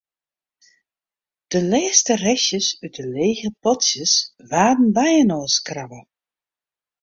De lêste restjes út de lege potsjes waarden byinoarskrabbe.